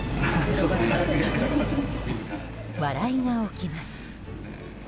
笑いが起きます。